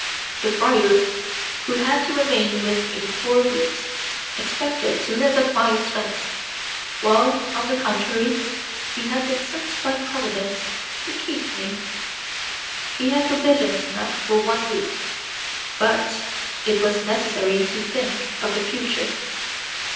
The friar, who had to remain with me four weeks, expected to live at my expense, while, on the contrary, he had been sent by Providence to keep me. He had provisions enough for one week, but it was necessary to think of the future.